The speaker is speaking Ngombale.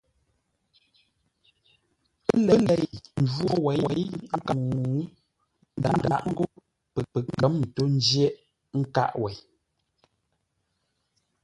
Pə́ lei tə njwó wěi nkâʼ ŋuu, ə́ ndǎʼ ńgó pəkə̌m ntôʼ jə̂ghʼ nkâʼ wêi.